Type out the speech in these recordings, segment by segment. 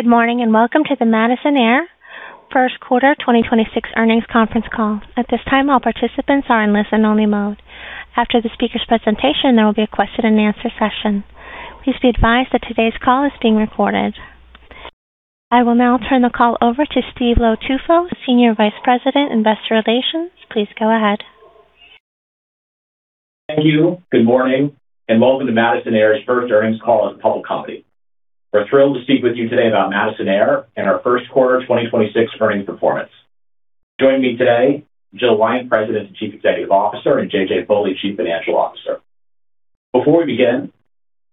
Good morning, and Welcome to the Madison Air First Quarter 2026 Earnings Conference Call. At this time, all participants are in listen-only mode. After the speaker's presentation, there will be a question-and-answer session. Please be advised that today's call is being recorded. I will now turn the call over to Steve Low-Tufo, Senior Vice President of Investor Relations. Please go ahead. Thank you. Good morning, and welcome to Madison Air's first earnings call as a public company. We're thrilled to speak with you today about Madison Air and our first quarter 2026 earnings performance. Joining me today, Jill Wyant, President and Chief Executive Officer, and JJ Foley, Chief Financial Officer. Before we begin,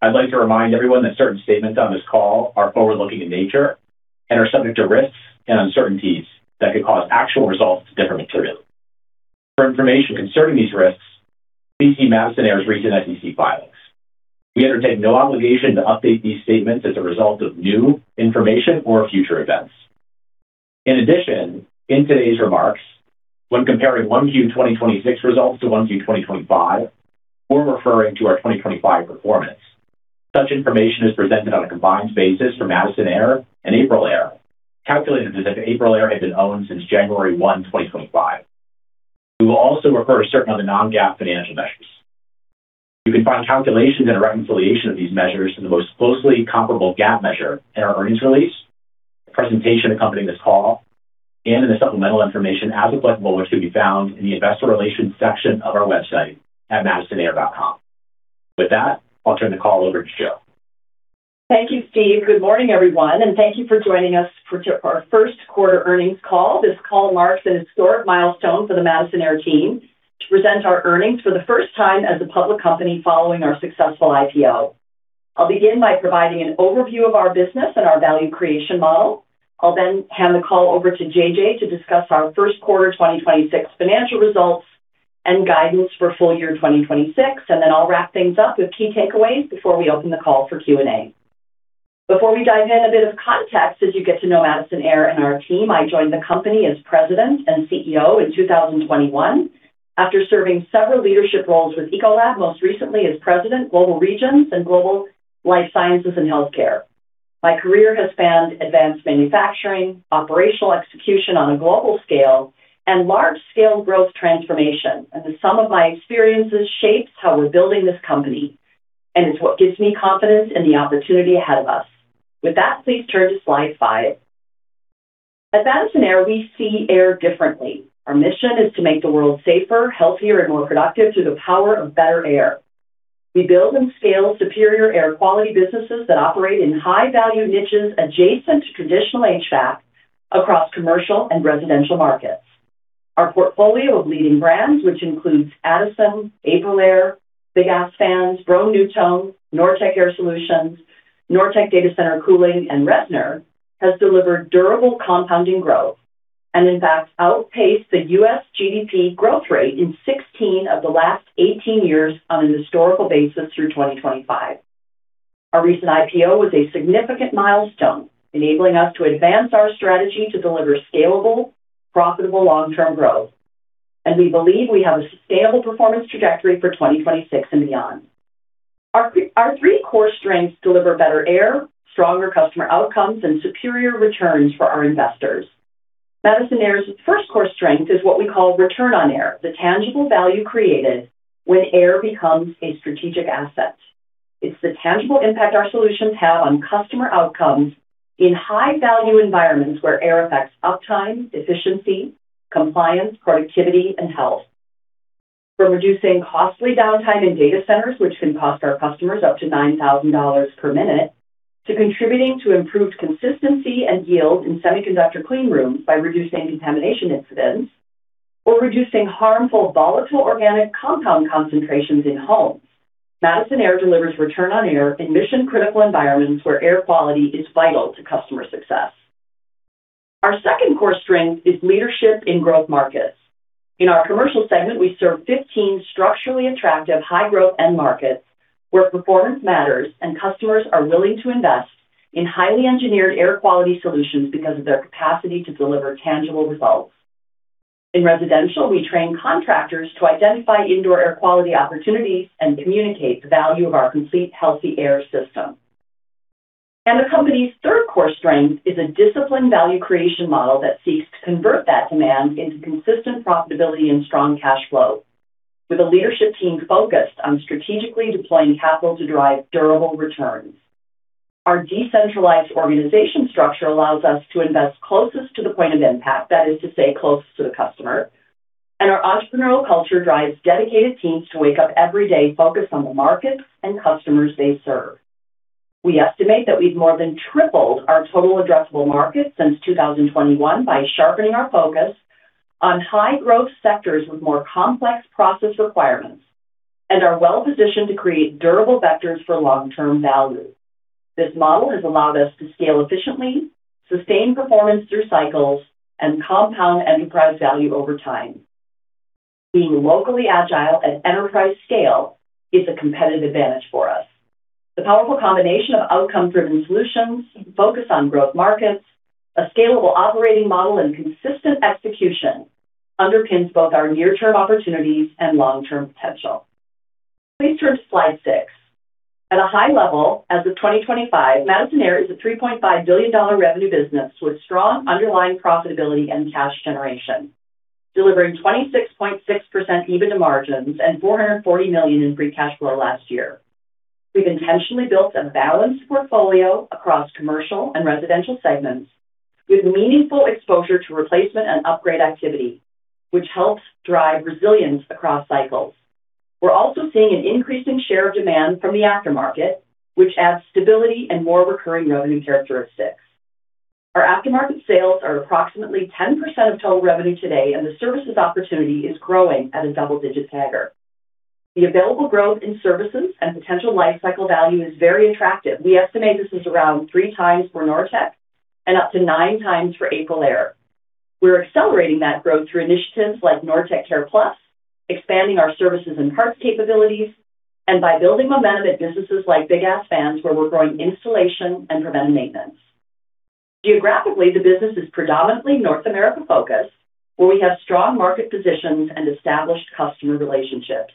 I'd like to remind everyone that certain statements on this call are forward-looking in nature and are subject to risks and uncertainties that could cause actual results to differ materially. For information concerning these risks, please see Madison Air's recent SEC filings. We undertake no obligation to update these statements as a result of new information or future events. In addition, in today's remarks, when comparing 1Q 2026 results to 1Q 2025, we're referring to our 2025 performance. Such information is presented on a combined basis for Madison Air and AprilAire, calculated as if AprilAire had been owned since January 1, 2025. We will also refer to certain other non-GAAP financial measures. You can find calculations and a reconciliation of these measures in the most closely comparable GAAP measure in our earnings release, the presentation accompanying this call, and in the supplemental information as applicable, which can be found in the investor relations section of our website at madisonair.com. I'll turn the call over to Jill. Thank you, Steve. Good morning, everyone, and thank you for joining us for our first quarter earnings call. This call marks an historic milestone for the Madison Air team to present our earnings for the first time as a public company following our successful IPO. I'll begin by providing an overview of our business and our value creation model. I'll hand the call over to JJ to discuss our first quarter 2026 financial results and guidance for full year 2026. I'll wrap things up with key takeaways before we open the call for Q&A. Before we dive in, a bit of context as you get to know Madison Air and our team. I joined the company as President and CEO in 2021 after serving several leadership roles with Ecolab, most recently as President, Global Regions and Global Life Sciences and Healthcare. My career has spanned advanced manufacturing, operational execution on a global scale, and large-scale growth transformation. The sum of my experiences shapes how we're building this company and is what gives me confidence in the opportunity ahead of us. With that, please turn to slide five. At Madison Air, we see air differently. Our mission is to make the world safer, healthier, and more productive through the power of better air. We build and scale superior air quality businesses that operate in high-value niches adjacent to traditional HVAC across commercial and residential markets. Our portfolio of leading brands, which includes Addison, AprilAire, Big Ass Fans, Broan-NuTone, Nortek Air Solutions, Nortek Data Center Cooling, and Reznor, has delivered durable compounding growth and in fact outpaced the U.S. GDP growth rate in 16 of the last 18 years on an historical basis through 2025. Our recent IPO was a significant milestone, enabling us to advance our strategy to deliver scalable, profitable long-term growth. We believe we have a sustainable performance trajectory for 2026 and beyond. Our three core strengths deliver better air, stronger customer outcomes, and superior returns for our investors. Madison Air's first core strength is what we call Return on Air, the tangible value created when air becomes a strategic asset. It's the tangible impact our solutions have on customer outcomes in high-value environments where air affects uptime, efficiency, compliance, productivity, and health. From reducing costly downtime in data centers, which can cost our customers up to $9,000 per minute, to contributing to improved consistency and yield in semiconductor clean rooms by reducing contamination incidents, or reducing harmful volatile organic compound concentrations in homes, Madison Air delivers Return on Air in mission-critical environments where air quality is vital to customer success. Our second core strength is leadership in growth markets. In our commercial segment, we serve 15 structurally attractive high-growth end markets where performance matters and customers are willing to invest in highly engineered air quality solutions because of their capacity to deliver tangible results. In residential, we train contractors to identify indoor air quality opportunities and communicate the value of our complete healthy air system. The company's third core strength is a disciplined value creation model that seeks to convert that demand into consistent profitability and strong cash flow, with a leadership team focused on strategically deploying capital to drive durable returns. Our decentralized organization structure allows us to invest closest to the point of impact, that is to say, closest to the customer. Our entrepreneurial culture drives dedicated teams to wake up every day focused on the markets and customers they serve. We estimate that we've more than tripled our total addressable market since 2021 by sharpening our focus on high-growth sectors with more complex process requirements and are well-positioned to create durable vectors for long-term value. This model has allowed us to scale efficiently, sustain performance through cycles, and compound enterprise value over time. Being locally agile at enterprise scale is a competitive advantage for us. The powerful combination of outcome-driven solutions, focus on growth markets, a scalable operating model, and consistent execution underpins both our near-term opportunities and long-term potential. Please turn to slide six. At a high level, as of 2025, Madison Air is a $3.5 billion revenue business with strong underlying profitability and cash generation, delivering 26.6% EBITDA margins and $440 million in free cash flow last year. We've intentionally built a balanced portfolio across commercial and residential segments with meaningful exposure to replacement and upgrade activity, which helps drive resilience across cycles. We're also seeing an increase in share of demand from the aftermarket, which adds stability and more recurring revenue characteristics. Our aftermarket sales are approximately 10% of total revenue today, and the services opportunity is growing at a double-digit CAGR. The available growth in services and potential lifecycle value is very attractive. We estimate this is around 3x for Nortek and up to 9x for AprilAire. We're accelerating that growth through initiatives like Nortek CarePlus, expanding our services and parts capabilities, and by building momentum at businesses like Big Ass Fans, where we're growing installation and preventive maintenance. Geographically, the business is predominantly North America-focused, where we have strong market positions and established customer relationships.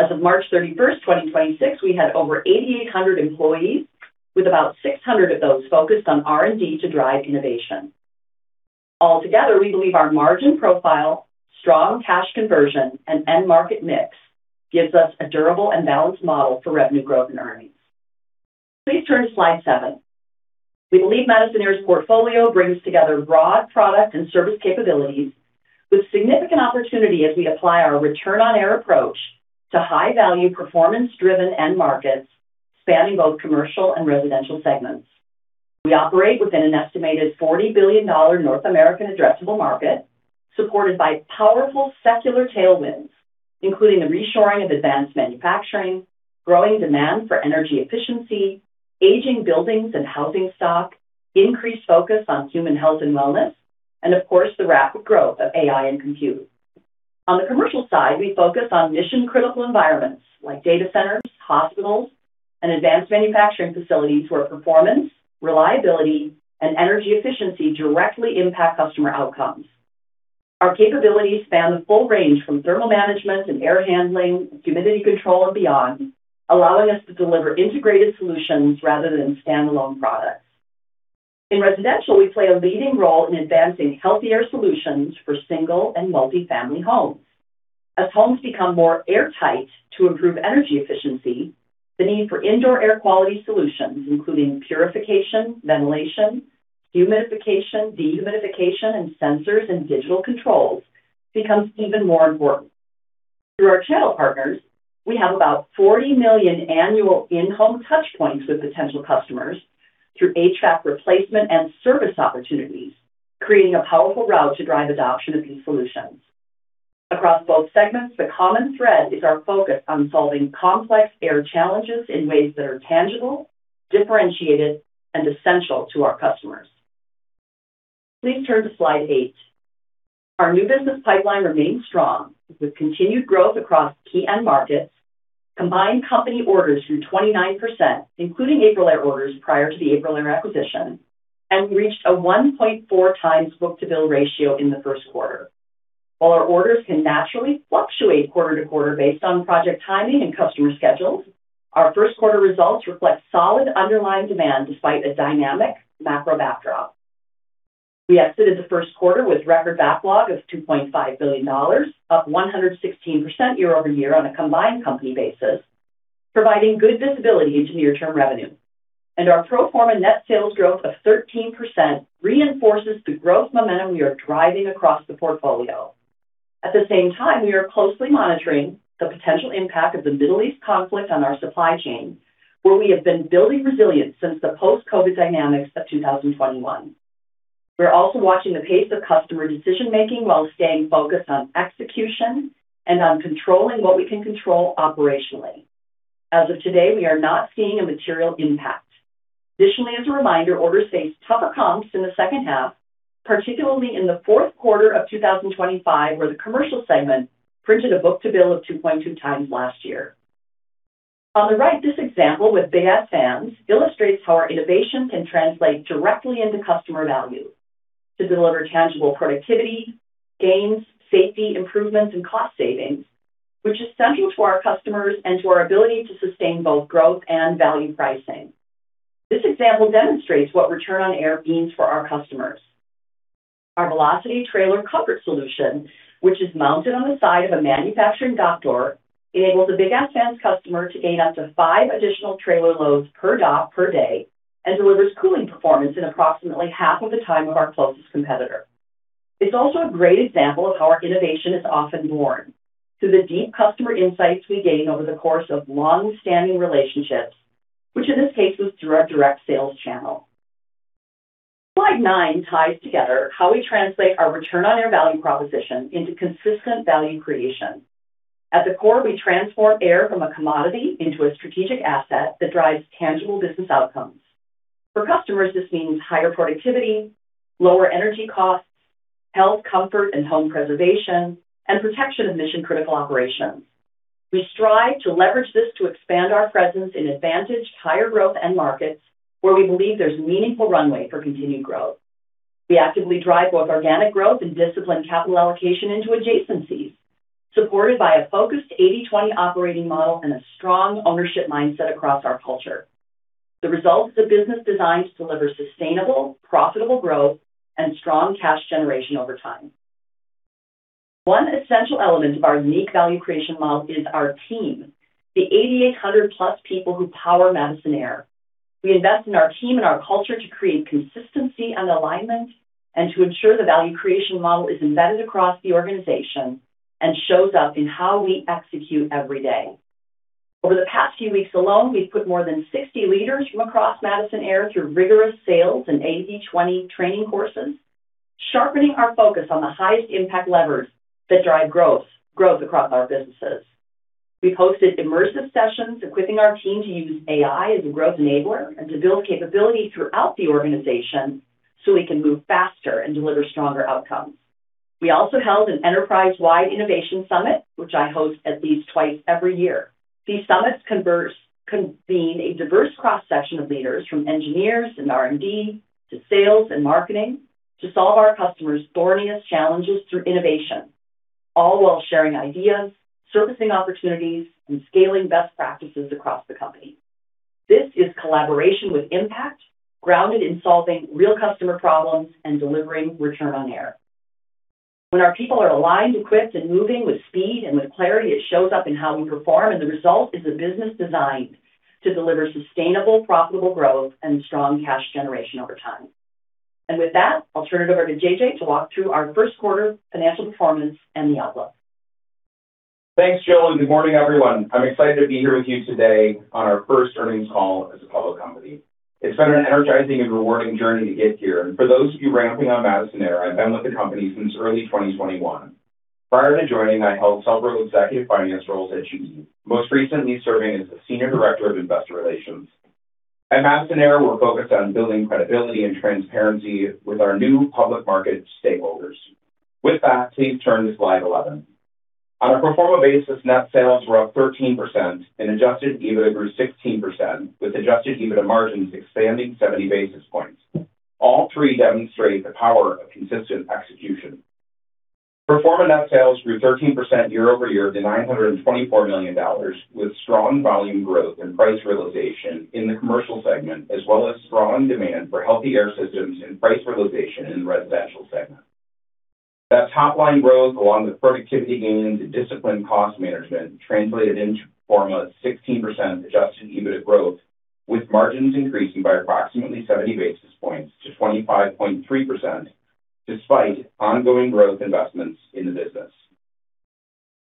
As of March 31, 2026, we had over 8,800 employees, with about 600 of those focused on R&D to drive innovation. Altogether, we believe our margin profile, strong cash conversion, and end market mix gives us a durable and balanced model for revenue growth and earnings. Please turn to slide seven. We believe Madison Air's portfolio brings together broad product and service capabilities with significant opportunity as we apply our Return on Air approach to high-value, performance-driven end markets spanning both commercial and residential segments. We operate within an estimated $40 billion North American addressable market supported by powerful secular tailwinds, including the reshoring of advanced manufacturing, growing demand for energy efficiency, aging buildings and housing stock, increased focus on human health and wellness, and of course, the rapid growth of AI and compute. On the commercial side, we focus on mission-critical environments like data centers, hospitals, and advanced manufacturing facilities where performance, reliability, and energy efficiency directly impact customer outcomes. Our capabilities span the full range from thermal management and air handling to humidity control and beyond, allowing us to deliver integrated solutions rather than standalone products. In residential, we play a leading role in advancing healthy air solutions for single and multi-family homes. As homes become more airtight to improve energy efficiency, the need for indoor air quality solutions, including purification, ventilation, humidification, dehumidification, and sensors and digital controls, becomes even more important. Through our channel partners, we have about 40 million annual in-home touchpoints with potential customers through HVAC replacement and service opportunities, creating a powerful route to drive adoption of these solutions. Across both segments, the common thread is our focus on solving complex air challenges in ways that are tangible, differentiated, and essential to our customers. Please turn to slide eight. Our new business pipeline remains strong with continued growth across key end markets. Combined company orders grew 29%, including AprilAire orders prior to the AprilAire acquisition. We reached a 1.4x book-to-bill ratio in the first quarter. While our orders can naturally fluctuate quarter-to-quarter based on project timing and customer schedules, our first quarter results reflect solid underlying demand despite a dynamic macro backdrop. We exited the first quarter with record backlog of $2.5 billion, up 116% year-over-year on a combined company basis, providing good visibility into near-term revenue. Our pro forma net sales growth of 13% reinforces the growth momentum we are driving across the portfolio. At the same time, we are closely monitoring the potential impact of the Middle East conflict on our supply chain, where we have been building resilience since the post-COVID dynamics of 2021. We're also watching the pace of customer decision-making while staying focused on execution and on controlling what we can control operationally. As of today, we are not seeing a material impact. Additionally, as a reminder, orders face tougher comps in the second half, particularly in the fourth quarter of 2025, where the commercial segment printed a book-to-bill of 2.2x last year. On the right, this example with Big Ass Fans illustrates how our innovation can translate directly into customer value to deliver tangible productivity gains, safety improvements, and cost savings, which is central to our customers and to our ability to sustain both growth and value pricing. This example demonstrates what Return on Air means for our customers. Our Velocity Trailer Comfort solution, which is mounted on the side of a manufacturing dock door, enables a Big Ass Fans customer to gain up to five additional trailer loads per dock per day and delivers cooling performance in approximately half of the time of our closest competitor. It's also a great example of how our innovation is often born through the deep customer insights we gain over the course of long-standing relationships, which in this case was through our direct sales channel. Slide nine ties together how we translate our Return on Air value proposition into consistent value creation. At the core, we transform air from a commodity into a strategic asset that drives tangible business outcomes. For customers, this means higher productivity, lower energy costs, health, comfort and home preservation, and protection of mission-critical operations. We strive to leverage this to expand our presence in advantaged higher growth end markets where we believe there's meaningful runway for continued growth. We actively drive both organic growth and disciplined capital allocation into adjacencies, supported by a focused 80/20 operating model and a strong ownership mindset across our culture. The result is a business designed to deliver sustainable, profitable growth and strong cash generation over time. One essential element of our unique value creation model is our team, the 8,800+ people who power Madison Air. We invest in our team and our culture to create consistency and alignment and to ensure the value creation model is embedded across the organization and shows up in how we execute every day. Over the past few weeks alone, we've put more than 60 leaders from across Madison Air through rigorous sales and 80/20 training courses, sharpening our focus on the highest impact levers that drive growth across our businesses. We've hosted immersive sessions equipping our team to use AI as a growth enabler and to build capability throughout the organization so we can move faster and deliver stronger outcomes. We also held an enterprise-wide innovation summit, which I host at least twice every year. These summits convene a diverse cross-section of leaders from engineers and R&D to sales and marketing to solve our customers' thorniest challenges through innovation, all while sharing ideas, surfacing opportunities, and scaling best practices across the company. This is collaboration with impact grounded in solving real customer problems and delivering Return on Air. When our people are aligned, equipped, and moving with speed and with clarity, it shows up in how we perform, and the result is a business designed to deliver sustainable, profitable growth and strong cash generation over time. With that, I'll turn it over to JJ to walk through our first quarter financial performance and the outlook. Thanks, Jill, and good morning, everyone. I'm excited to be here with you today on our first earnings call as a public company. It's been an energizing and rewarding journey to get here. For those of you ramping on Madison Air, I've been with the company since early 2021. Prior to joining, I held several executive finance roles at GE, most recently serving as the Senior Director of Investor Relations. At Madison Air, we're focused on building credibility and transparency with our new public market stakeholders. With that, please turn to slide 11. On a pro forma basis, net sales were up 13% and adjusted EBITDA grew 16%, with adjusted EBITDA margins expanding 70 basis points. All three demonstrate the power of consistent execution. Pro forma net sales grew 13% year-over-year to $924 million, with strong volume growth and price realization in the commercial segment, as well as strong demand for healthy air systems and price realization in the residential segment. That top line growth, along with productivity gains and disciplined cost management, translated into pro forma 16% adjusted EBITDA growth, with margins increasing by approximately 70 basis points to 25.3% despite ongoing growth investments in the business.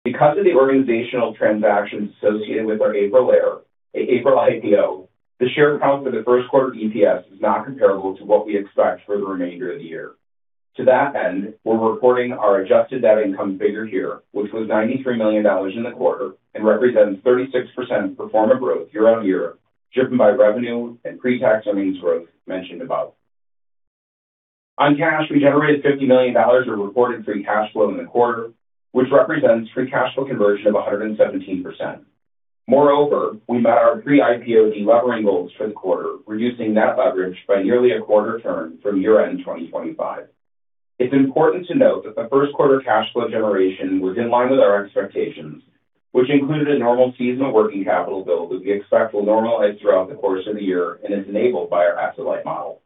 Because of the organizational transactions associated with our April IPO, the share count for the first quarter EPS is not comparable to what we expect for the remainder of the year. To that end, we're reporting our adjusted net income figure here, which was $93 million in the quarter and represents 36% pro forma growth year-over-year, driven by revenue and pre-tax earnings growth mentioned above. On cash, we generated $50 million of reported free cash flow in the quarter, which represents free cash flow conversion of 117%. Moreover, we met our pre-IPO delevering goals for the quarter, reducing net leverage by nearly a quarter turn from year-end 2025. It's important to note that the first quarter cash flow generation was in line with our expectations, which included a normal seasonal working capital build that we expect will normalize throughout the course of the year and is enabled by our asset-light model.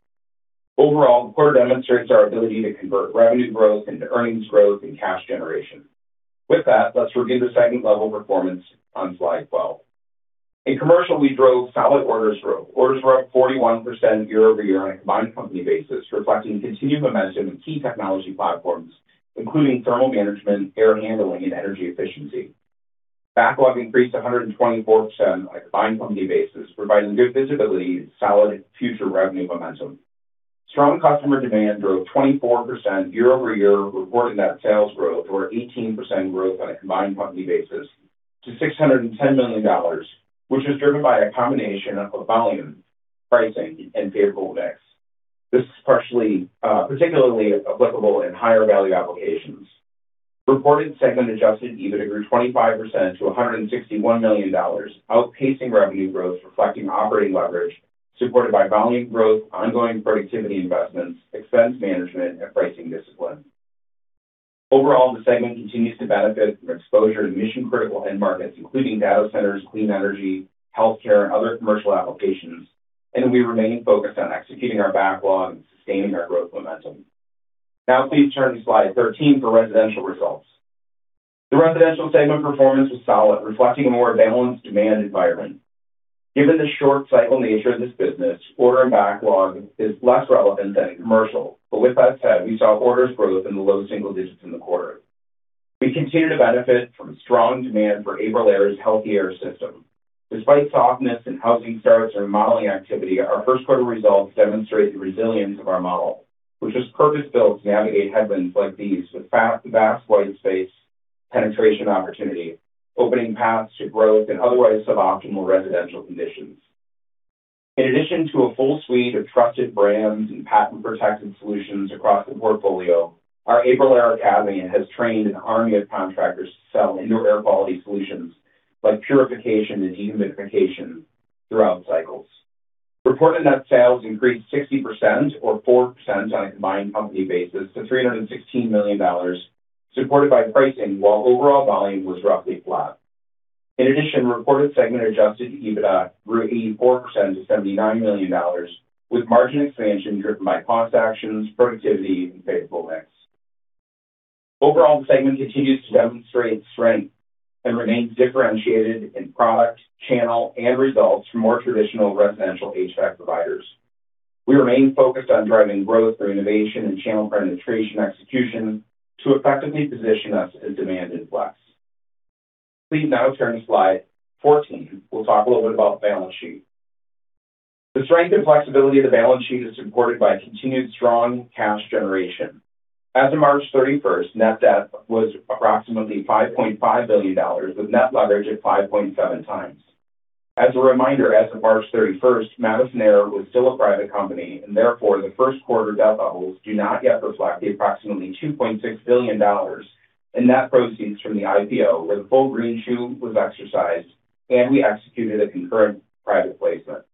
Overall, the quarter demonstrates our ability to convert revenue growth into earnings growth and cash generation. With that, let's review the second level performance on slide 12. In commercial, we drove solid orders growth. Orders were up 41% year-over-year on a combined company basis, reflecting continued momentum in key technology platforms, including thermal management, air handling, and energy efficiency. Backlog increased 124% on a combined company basis, providing good visibility and solid future revenue momentum. Strong customer demand drove 24% year-over-year reported net sales growth, or 18% growth on a combined company basis, to $610 million, which was driven by a combination of volume, pricing, and favorable mix. This is partially, particularly applicable in higher value applications. Reported segment adjusted EBITDA grew 25% to $161 million, outpacing revenue growth, reflecting operating leverage supported by volume growth, ongoing productivity investments, expense management, and pricing discipline. Overall, the segment continues to benefit from exposure to mission-critical end markets, including data centers, clean energy, healthcare, and other commercial applications. We remain focused on executing our backlog and sustaining our growth momentum. Please turn to slide 13 for residential results. The residential segment performance was solid, reflecting a more balanced demand environment. Given the short cycle nature of this business, order and backlog is less relevant than in commercial. With that said, we saw orders growth in the low single digits in the quarter. We continue to benefit from strong demand for AprilAire's healthy air system. Despite softness in housing starts or remodeling activity, our first quarter results demonstrate the resilience of our model, which was purpose-built to navigate headwinds like these with vast white space penetration opportunity, opening paths to growth in otherwise suboptimal residential conditions. In addition to a full suite of trusted brands and patent-protected solutions across the portfolio, our AprilAire Academy has trained an army of contractors to sell indoor air quality solutions like purification and dehumidification. Throughout cycles, reported net sales increased 60% or 4% on a combined company basis to $316 million, supported by pricing while overall volume was roughly flat. In addition, reported segment adjusted EBITDA grew 84% to $79 million, with margin expansion driven by cost actions, productivity, and favorable mix. Overall, the segment continues to demonstrate strength and remains differentiated in product, channel, and results from more traditional residential HVAC providers. We remain focused on driving growth through innovation and channel penetration execution to effectively position us as demand is less. Please now turn to slide 14. We will talk a little bit about the balance sheet. The strength and flexibility of the balance sheet is supported by continued strong cash generation. As of March 31st, net debt was approximately $5.5 billion, with net leverage at 5.7x. As a reminder, as of March 31st, Madison Air was still a private company, and therefore, the first quarter debt levels do not yet reflect the approximately $2.6 billion in net proceeds from the IPO, where the full greenshoe was exercised, and we executed a concurrent private placement.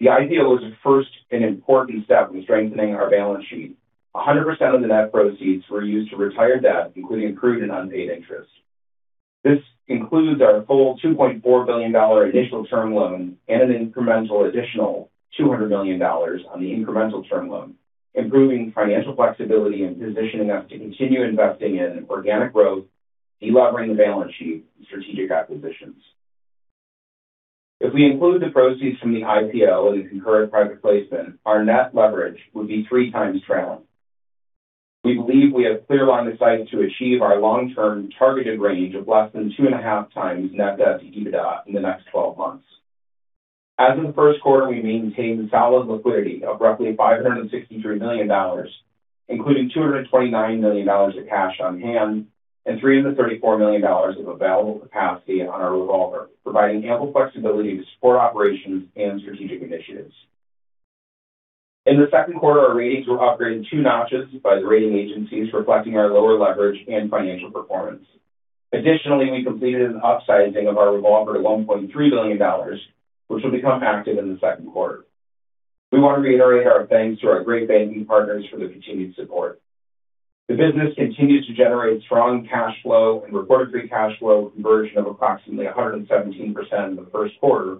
The IPO was a first and important step in strengthening our balance sheet. 100% of the net proceeds were used to retire debt, including accrued and unpaid interest. This includes our full $2.4 billion initial term loan and an incremental additional $200 million on the incremental term loan, improving financial flexibility and positioning us to continue investing in organic growth, delevering the balance sheet, and strategic acquisitions. If we include the proceeds from the IPO and the concurrent private placement, our net leverage would be 3x trailing. We believe we have clear line of sight to achieve our long-term targeted range of less than 2.5x net debt to EBITDA in the next 12 months. As of the first quarter, we maintained solid liquidity of roughly $563 million, including $229 million of cash on hand and $334 million of available capacity on our revolver, providing ample flexibility to support operations and strategic initiatives. In the second quarter, our ratings were upgraded two notches by the rating agencies, reflecting our lower leverage and financial performance. We completed an upsizing of our revolver at $1.3 billion, which will become active in the second quarter. We want to reiterate our thanks to our great banking partners for their continued support. The business continues to generate strong cash flow and reported free cash flow conversion of approximately 117% in the first quarter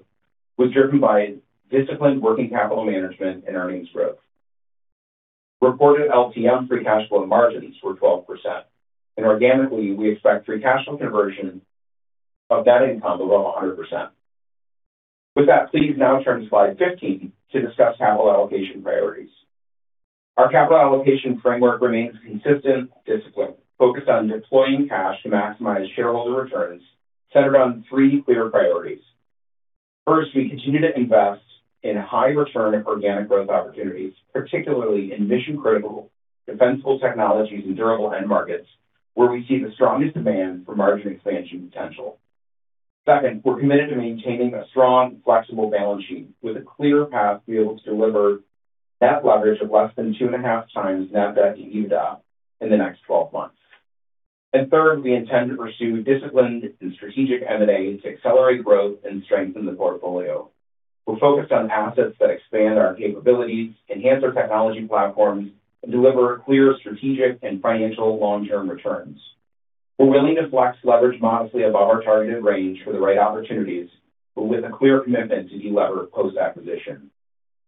was driven by disciplined working capital management and earnings growth. Reported LTM free cash flow margins were 12%. Organically, we expect free cash flow conversion of net income above 100%. Please now turn to slide 15 to discuss capital allocation priorities. Our capital allocation framework remains consistent, disciplined, focused on deploying cash to maximize shareholder returns centered around three clear priorities. First, we continue to invest in high return organic growth opportunities, particularly in mission-critical defensible technologies and durable end markets where we see the strongest demand for margin expansion potential. Second, we're committed to maintaining a strong, flexible balance sheet with a clear path to be able to deliver net leverage of less than 2.5x net debt to EBITDA in the next 12 months. Third, we intend to pursue disciplined and strategic M&A to accelerate growth and strengthen the portfolio. We're focused on assets that expand our capabilities, enhance our technology platforms, and deliver clear strategic and financial long-term returns. We're willing to flex leverage modestly above our targeted range for the right opportunities, but with a clear commitment to delever post-acquisition.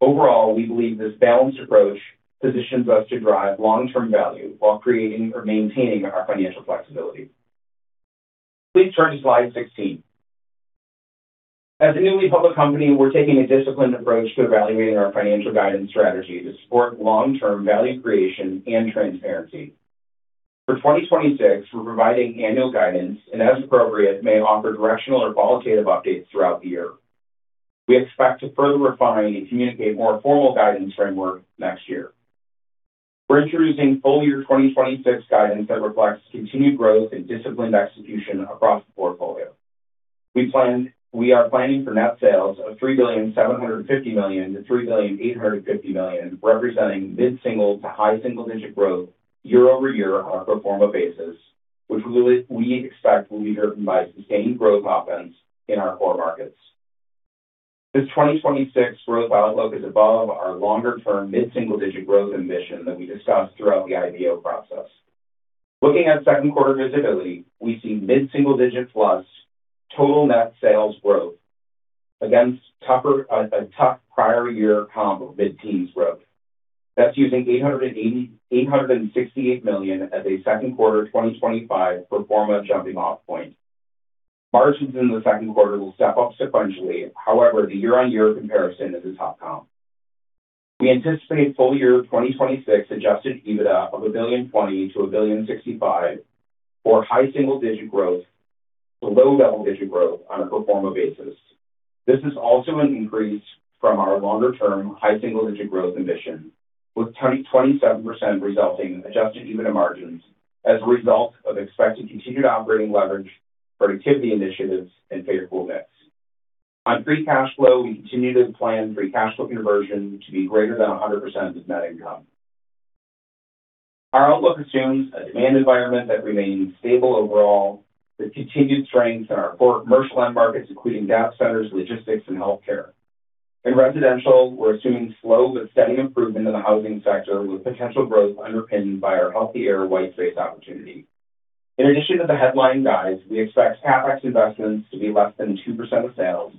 Overall, we believe this balanced approach positions us to drive long-term value while creating or maintaining our financial flexibility. Please turn to slide 16. As a newly public company, we're taking a disciplined approach to evaluating our financial guidance strategy to support long-term value creation and transparency. For 2026, we're providing annual guidance and, as appropriate, may offer directional or qualitative updates throughout the year. We expect to further refine and communicate more formal guidance framework next year. We're introducing full-year 2026 guidance that reflects continued growth and disciplined execution across the portfolio. We are planning for net sales of $3.75 billion-$3.85 billion, representing mid-single to high single-digit growth year-over-year on a pro forma basis, which we expect will be driven by sustained growth offense in our core markets. This 2026 growth outlook is above our longer-term mid-single-digit growth ambition that we discussed throughout the IPO process. Looking at second quarter visibility, we see mid-single-digit plus total net sales growth against tougher, a tough prior year comp of mid-teens growth. That's using $868 million as a second quarter 2025 pro forma jumping off point. Margins in the second quarter will step up sequentially. However, the year-on-year comparison is a tough comp. We anticipate full-year 2026 adjusted EBITDA of $1.02 billion-$1.065 billion for high single-digit growth to low double-digit growth on a pro forma basis. This is also an increase from our longer-term high single-digit growth ambition, with 20%-27% resulting adjusted EBITDA margins as a result of expected continued operating leverage, productivity initiatives, and favorable mix. On free cash flow, we continue to plan free cash flow conversion to be greater than 100% of net income. Our outlook assumes a demand environment that remains stable overall with continued strength in our core commercial end markets, including data centers, logistics and healthcare. In residential, we're assuming slow but steady improvement in the housing sector, with potential growth underpinned by our healthier white space opportunity. In addition to the headline guides, we expect CapEx investments to be less than 2% of sales,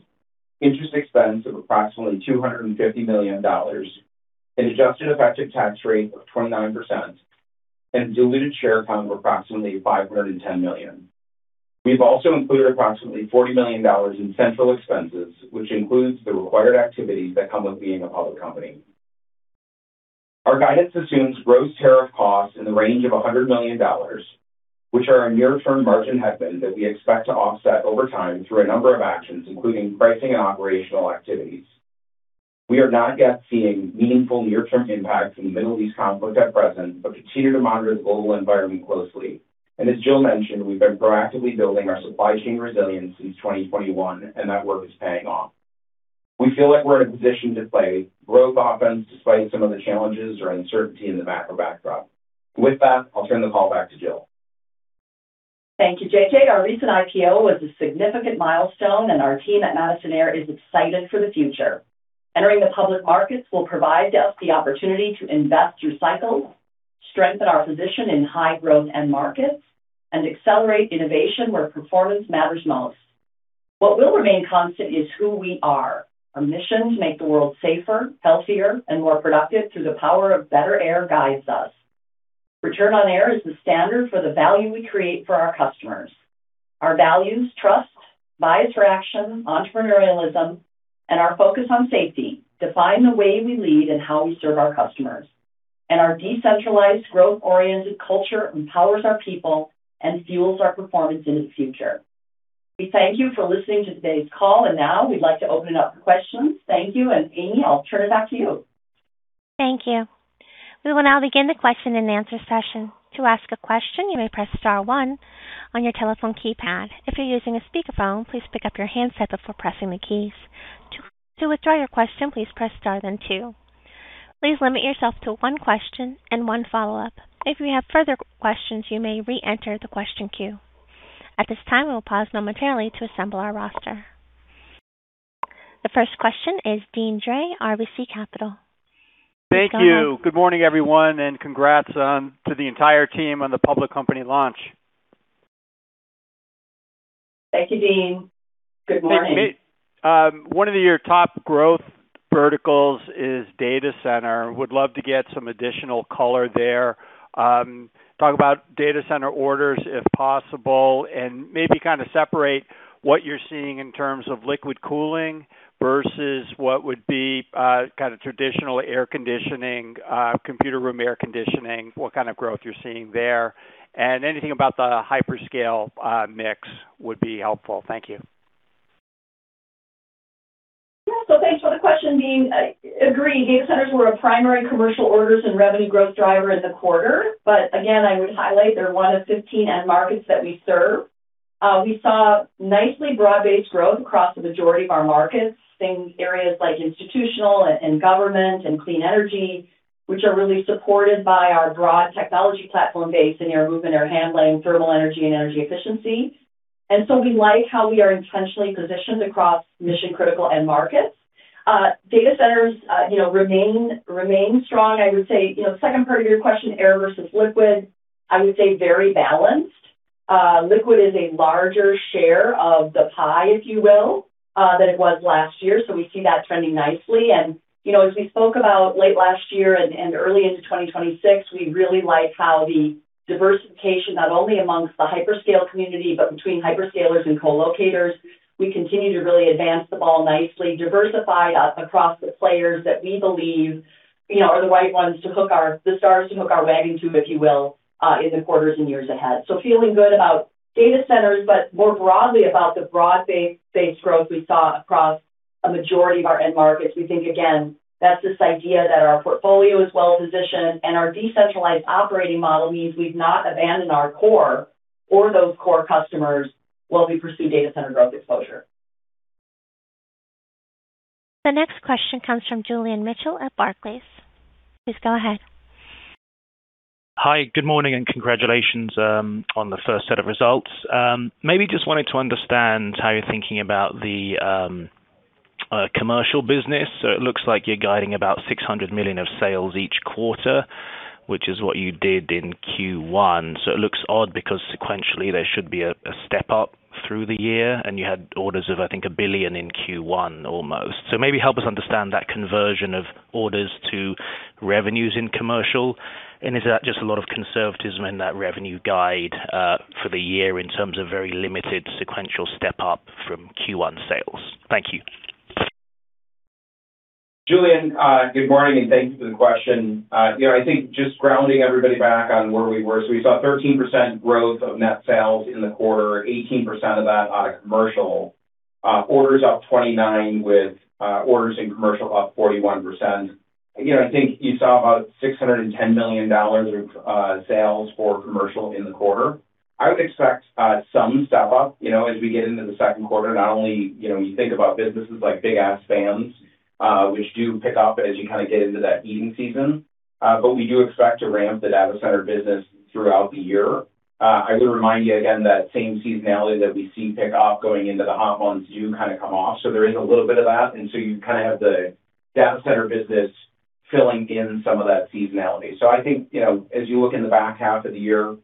interest expense of approximately $250 million, an adjusted effective tax rate of 29%, and diluted share count of approximately 510 million. We've also included approximately $40 million in central expenses, which includes the required activities that come with being a public company. Our guidance assumes gross tariff costs in the range of $100 million, which are a near-term margin headwind that we expect to offset over time through a number of actions, including pricing and operational activities. We are not yet seeing meaningful near-term impacts from the Middle East conflict at present, but continue to monitor the global environment closely. As Jill mentioned, we've been proactively building our supply chain resilience since 2021, and that work is paying off. We feel like we're in a position to play growth offense despite some of the challenges or uncertainty in the macro backdrop. With that, I'll turn the call back to Jill. Thank you, JJ Our recent IPO was a significant milestone, and our team at Madison Air is excited for the future. Entering the public markets will provide us the opportunity to invest through cycles, strengthen our position in high-growth end markets, and accelerate innovation where performance matters most. What will remain constant is who we are. Our mission to make the world safer, healthier and more productive through the power of better air guides us. Return on Air is the standard for the value we create for our customers. Our values, trust, bias for action, entrepreneurialism, and our focus on safety define the way we lead and how we serve our customers. Our decentralized, growth-oriented culture empowers our people and fuels our performance in the future. We thank you for listening to today's call. Now we'd like to open it up for questions. Thank you. Amy, I'll turn it back to you. Thank you. We will now begin the question and answer session. To ask a question, you may press star one on your telephone keypad. If you're using a speakerphone, please pick up your handset before pressing the keys. To withdraw your question, please press star then two. Please limit yourself to one question and one follow-up. If you have further questions, you may re-enter the question queue. At this time, we will pause momentarily to assemble our roster. The first question is Deane Dray, RBC Capital. Please go ahead. Thank you. Good morning, everyone, and congrats to the entire team on the public company launch. Thank you, Deane. Good morning. Thank you. One of your top growth verticals is data center. Would love to get some additional color there. Talk about data center orders, if possible, and maybe kind of separate what you're seeing in terms of liquid cooling versus what would be kind of traditional air conditioning, computer room air conditioning, what kind of growth you're seeing there. Anything about the hyperscale mix would be helpful. Thank you. Thanks for the question, Deane. Agree, data centers were a primary commercial orders and revenue growth driver in the quarter. Again, I would highlight they're one of 15 end markets that we serve. We saw nicely broad-based growth across the majority of our markets in areas like institutional and government and clean energy, which are really supported by our broad technology platform base in air movement or handling thermal energy and energy efficiency. We like how we are intentionally positioned across mission-critical end markets. Data centers, you know, remain strong. I would say, you know, second part of your question, air versus liquid, I would say very balanced. Liquid is a larger share of the pie, if you will, than it was last year. We see that trending nicely. You know, as we spoke about late last year and early into 2026, we really like how the diversification, not only amongst the hyperscale community, but between hyperscalers and co-locators, we continue to really advance the ball nicely, diversify us across the players that we believe, you know, are the right ones to hook our stars to hook our wagon to, if you will, in the quarters and years ahead. Feeling good about data centers, but more broadly about the broad-based growth we saw across a majority of our end markets. We think, again, that's this idea that our portfolio is well-positioned and our decentralized operating model means we've not abandoned our core or those core customers while we pursue data center growth exposure. The next question comes from Julian Mitchell at Barclays. Please go ahead. Hi, good morning, and congratulations on the first set of results. Maybe just wanted to understand how you're thinking about the commercial business. It looks like you're guiding about $600 million of sales each quarter, which is what you did in Q1. It looks odd because sequentially there should be a step-up through the year, and you had orders of, I think, $1 billion in Q1 almost. Maybe help us understand that conversion of orders to revenues in commercial. Is that just a lot of conservatism in that revenue guide for the year in terms of very limited sequential step-up from Q1 sales? Thank you. Julian, good morning, and thanks for the question. You know, I think just grounding everybody back on where we were. We saw 13% growth of net sales in the quarter, 18% of that out of commercial. Orders up 29% with orders in commercial up 41%. You know, I think you saw about $610 million of sales for commercial in the quarter. I would expect some step-up, you know, as we get into the second quarter. Not only, you know, you think about businesses like Big Ass Fans. Which do pick up as you kind of get into that heating season. We do expect to ramp the data center business throughout the year. I would remind you again that same seasonality that we see pick up going into the hot months do kind of come off, so there is a little bit of that. You kind of have the data center business filling in some of that seasonality. I think, you know, as you look in the back half of the year,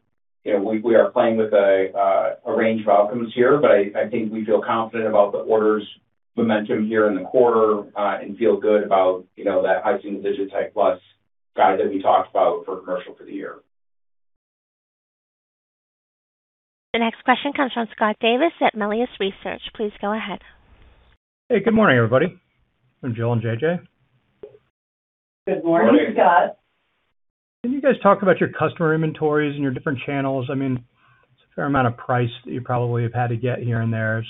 you know, we are playing with a range of outcomes here. I think we feel confident about the orders momentum here in the quarter, and feel good about, you know, that high single-digit type plus guide that we talked about for commercial for the year. The next question comes from Scott Davis at Melius Research. Please go ahead. Hey, good morning, everybody. Jill and JJ. Good morning, Scott. Can you guys talk about your customer inventories and your different channels? I mean, it's a fair amount of price that you probably have had to get here and there.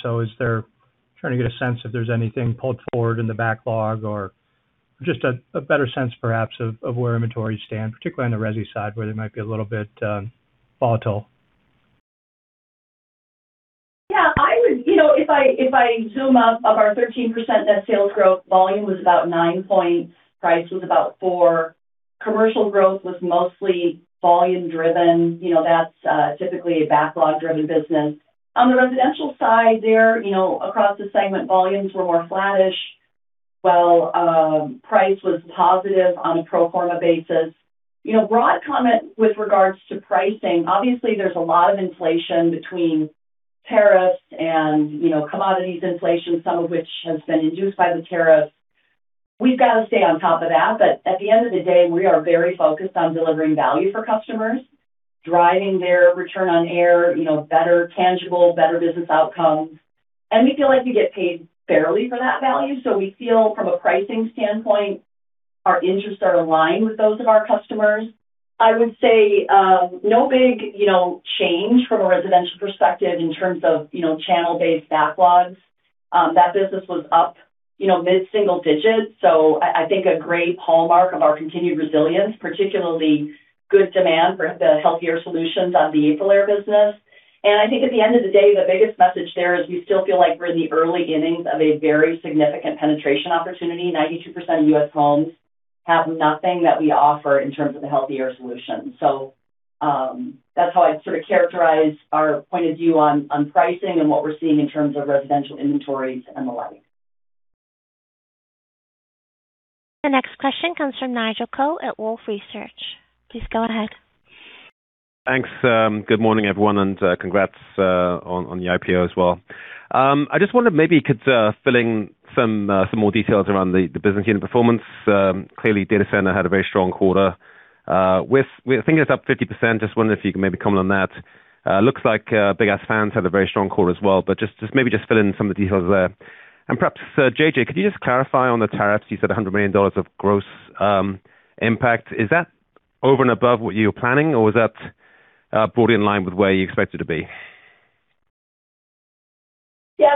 Trying to get a sense if there's anything pulled forward in the backlog or just a better sense perhaps of where inventories stand, particularly on the resi side, where they might be a little bit volatile. You know, if I zoom out, of our 13% net sales growth, volume was about nine points, price was about four. Commercial growth was mostly volume-driven. You know, that's typically a backlog-driven business. On the residential side there, you know, across the segment, volumes were more flattish. While price was positive on a pro forma basis. You know, broad comment with regards to pricing. Obviously, there's a lot of inflation between tariffs and, you know, commodities inflation, some of which has been induced by the tariffs. We've got to stay on top of that. At the end of the day, we are very focused on delivering value for customers, driving their Return on Air, you know, better tangible, better business outcomes. We feel like we get paid fairly for that value. We feel from a pricing standpoint, our interests are aligned with those of our customers. I would say, no big, you know, change from a residential perspective in terms of, you know, channel-based backlogs. That business was up, you know, mid-single digit. I think a great hallmark of our continued resilience, particularly good demand for the healthier solutions on the AprilAire business. I think at the end of the day, the biggest message there is we still feel like we're in the early innings of a very significant penetration opportunity. 92% of U.S. homes have nothing that we offer in terms of the healthier solution. That's how I'd sort of characterize our point of view on pricing and what we're seeing in terms of residential inventories and the like. The next question comes from Nigel Coe at Wolfe Research. Please go ahead. Thanks. Good morning, everyone, congrats on the IPO as well. I just wondered maybe you could fill in some more details around the business unit performance. Clearly, Data Center had a very strong quarter. I think it's up 50%. Just wondering if you can maybe comment on that. Looks like Big Ass Fans had a very strong quarter as well. Maybe just fill in some of the details there. Perhaps, JJ, could you just clarify on the tariffs? You said $100 million of gross impact. Is that over and above what you were planning, or was that broadly in line with where you expected to be?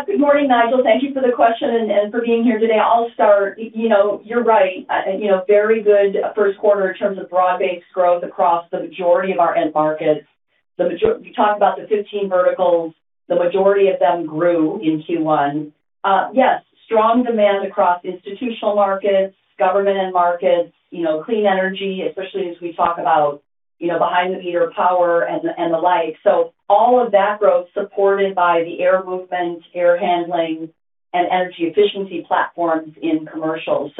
Good morning, Nigel. Thank you for the question and for being here today. I'll start. You know, you're right. You know, very good first quarter in terms of broad-based growth across the majority of our end markets. You talked about the 15 verticals. The majority of them grew in Q1. Yes, strong demand across institutional markets, government end markets, you know, clean energy, especially as we talk about, you know, behind the meter power and the like. All of that growth supported by the air movement, air handling and energy efficiency platforms in commercial.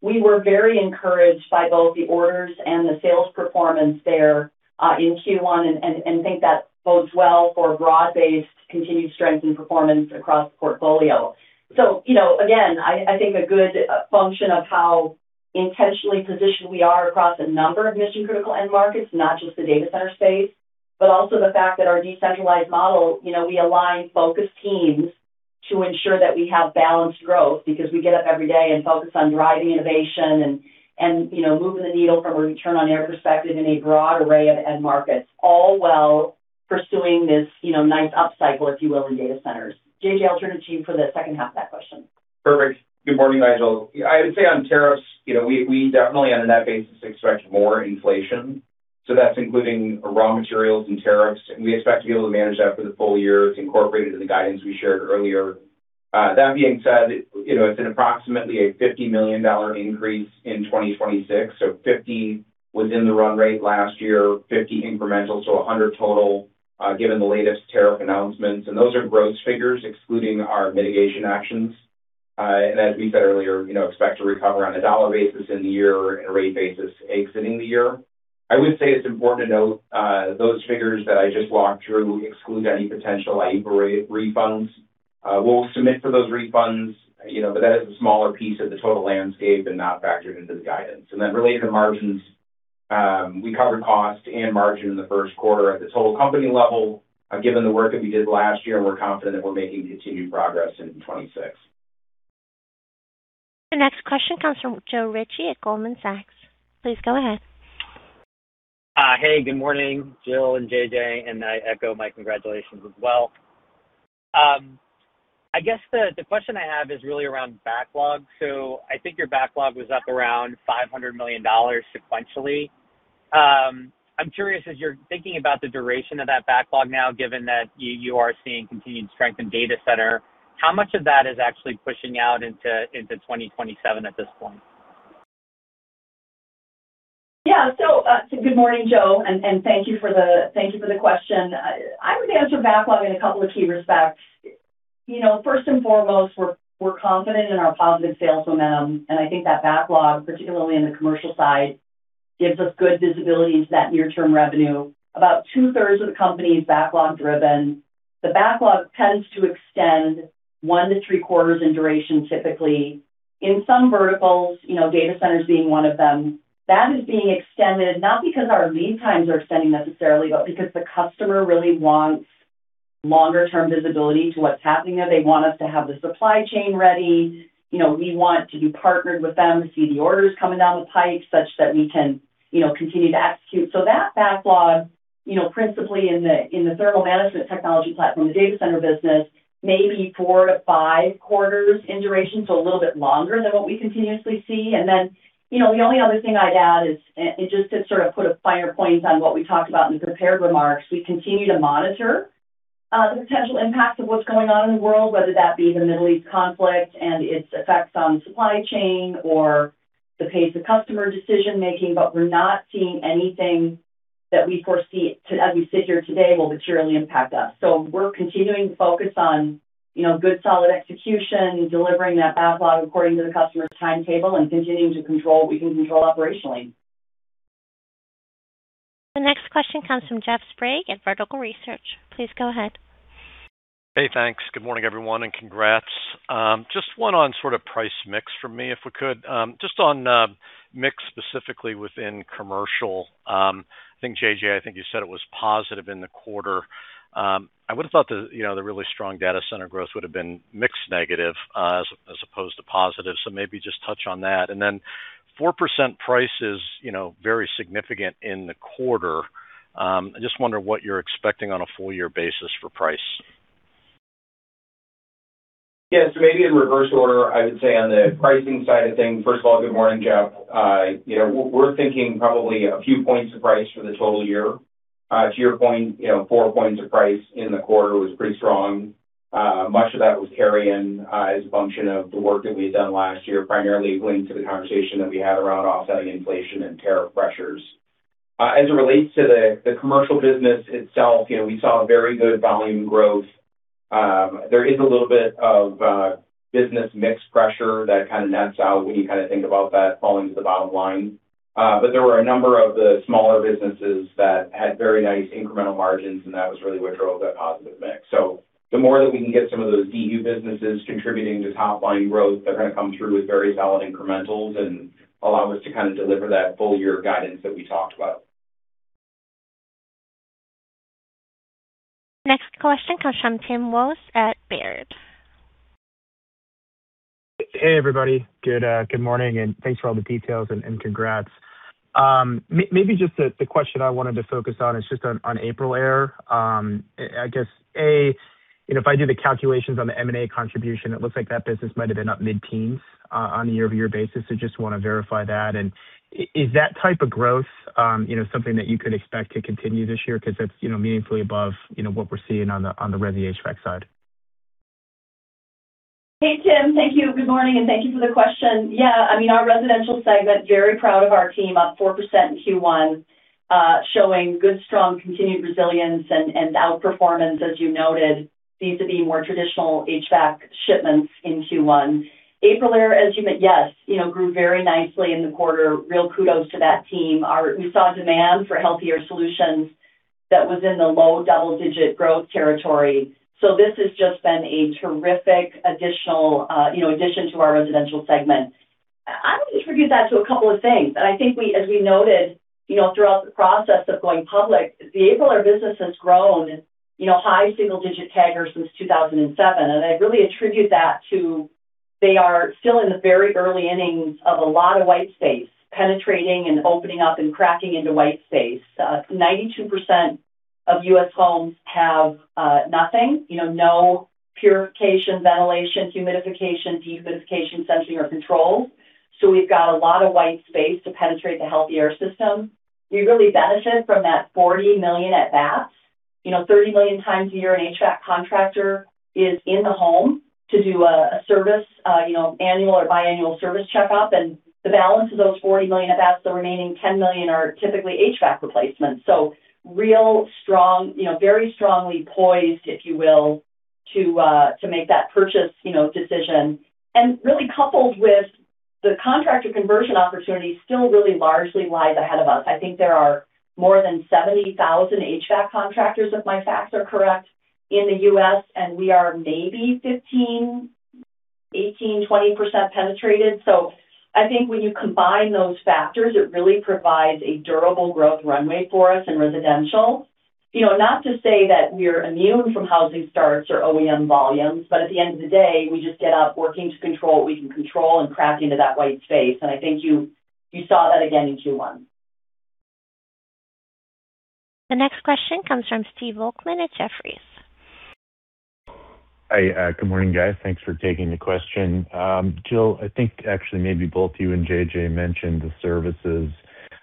We were very encouraged by both the orders and the sales performance there in Q1 and think that bodes well for broad-based continued strength and performance across the portfolio. You know, again, I think a good function of how intentionally positioned we are across a number of mission-critical end markets, not just the data center space. Also the fact that our decentralized model, you know, we align focused teams to ensure that we have balanced growth because we get up every day and focus on driving innovation and, you know, moving the needle from a Return on Air perspective in a broad array of end markets. All while pursuing this, you know, nice upcycle, if you will, in data centers. JJ, I'll turn it to you for the second half of that question. Perfect. Good morning, Nigel. I would say on tariffs, you know, we definitely on a net basis expect more inflation, so that's including raw materials and tariffs. We expect to be able to manage that for the full year. It's incorporated in the guidance we shared earlier. That being said, you know, it's an approximately a $50 million increase in 2026. Fifty within the run rate last year, $50 incremental, so $100 total, given the latest tariff announcements. Those are gross figures, excluding our mitigation actions. As we said earlier, you know, expect to recover on a dollar basis in the year and a rate basis exiting the year. I would say it's important to note, those figures that I just walked through exclude any potential AprilAire refunds. We'll submit for those refunds, you know, but that is a smaller piece of the total landscape and not factored into the guidance. Related to margins, we covered cost and margin in the first quarter at the total company level. Given the work that we did last year, we're confident we're making continued progress into 2026. The next question comes from Joe Ritchie at Goldman Sachs. Please go ahead. Hey, good morning, Jill and JJ, and I echo my congratulations as well. I guess the question I have is really around backlog. I think your backlog was up around $500 million sequentially. I'm curious, as you're thinking about the duration of that backlog now, given that you are seeing continued strength in data center, how much of that is actually pushing out into 2027 at this point? Good morning, Joe, and thank you for the question. I would answer backlog in a couple of key respects. You know, first and foremost, we're confident in our positive sales momentum. I think that backlog, particularly on the commercial side, gives us good visibility into that near-term revenue. About two-thirds of the company is backlog driven. The backlog tends to extend one to three quarters in duration typically. In some verticals, you know, data centers being one of them, that is being extended, not because our lead times are extending necessarily, but because the customer really wants longer term visibility to what's happening there. They want us to have the supply chain ready. You know, we want to be partnered with them, see the orders coming down the pipe such that we can, you know, continue to execute. That backlog, you know, principally in the thermal management technology platform, the data center business, may be four to five quarters in duration, a little bit longer than what we continuously see. Then, you know, the only other thing I'd add is, and just to sort of put a finer point on what we talked about in the prepared remarks, we continue to monitor the potential impact of what's going on in the world, whether that be the Middle East conflict and its effects on supply chain or the pace of customer decision-making. We're not seeing anything that we foresee to, as we sit here today, will materially impact us. We're continuing to focus on, you know, good, solid execution, delivering that backlog according to the customer's timetable, and continuing to control what we can control operationally. The next question comes from Jeff Sprague at Vertical Research. Please go ahead. Hey, thanks. Good morning, everyone, and congrats. Just one on sort of price mix from me, if we could. Just on mix specifically within commercial. I think, JJ, I think you said it was positive in the quarter. I would've thought the, you know, the really strong data center growth would've been mixed negative as opposed to positive. Maybe just touch on that. 4% price is, you know, very significant in the quarter. I just wonder what you're expecting on a full year basis for price. Yes. Maybe in reverse order. I would say on the pricing side of things First of all, good morning, Jeff. We're thinking probably a few points of price for the total year. To your point, four points of price in the quarter was pretty strong. Much of that was carry-in, as a function of the work that we had done last year, primarily linked to the conversation that we had around offsetting inflation and tariff pressures. As it relates to the commercial business itself, we saw very good volume growth. There is a little bit of business mix pressure that kinda nets out when you kinda think about that falling to the bottom line. There were a number of the smaller businesses that had very nice incremental margins, and that was really what drove that positive mix. The more that we can get some of those DOAS businesses contributing to top line growth, they're gonna come through with very solid incrementals and allow us to kind of deliver that full year guidance that we talked about. Next question comes from Tim Wojs at Baird. Hey, everybody. Good morning, thanks for all the details and congrats. Maybe just the question I wanted to focus on is just on AprilAire. I guess, A, you know, if I do the calculations on the M&A contribution, it looks like that business might have been up mid-teens on a year-over-year basis. Just wanna verify that. Is that type of growth, you know, something that you could expect to continue this year? That's, you know, meaningfully above, you know, what we're seeing on the resi HVAC side. Hey, Tim. Thank you. Good morning, and thank you for the question. I mean, our residential segment, very proud of our team. Up 4% in Q1, showing good, strong, continued resilience and outperformance, as you noted, needs to be more traditional HVAC shipments in Q1. AprilAire, as you know, grew very nicely in the quarter. Real kudos to that team. We saw demand for health air solutions that was in the low double-digit growth territory. This has just been a terrific additional, you know, addition to our residential segment. I would attribute that to a couple of things. I think as we noted, you know, throughout the process of going public, the AprilAire business has grown, you know, high single-digit CAGR since 2007. I really attribute that to they are still in the very early innings of a lot of white space, penetrating and opening up and cracking into white space. 92% of U.S. homes have nothing, you know, no purification, ventilation, humidification, dehumidification, sensing or controls. We've got a lot of white space to penetrate the health air system. We really benefit from that 40 million at bats. You know, 30 million times a year an HVAC contractor is in the home to do a service, you know, annual or biannual service checkup. The balance of those 40 million at bats, the remaining 10 million are typically HVAC replacements. Real strong, you know, very strongly poised, if you will, to make that purchase, you know, decision. Really coupled with the contractor conversion opportunity still really largely lies ahead of us I think there are more than 70,000 HVAC contractors, if my facts are correct, in the U.S., and we are maybe 15%, 18%, 20% penetrated. I think when you combine those factors, it really provides a durable growth runway for us in residential. You know, not to say that we're immune from housing starts or OEM volumes, but at the end of the day, we just get up working to control what we can control and crack into that white space. I think you saw that again in Q1. The next question comes from Steve Volkmann at Jefferies. Hi, good morning, guys. Thanks for taking the question. Jill, I think actually maybe both you and JJ mentioned the services